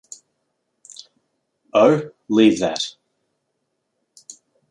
Oh, leave that!